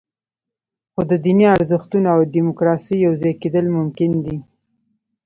خو د دیني ارزښتونو او دیموکراسۍ یوځای کېدل ممکن دي.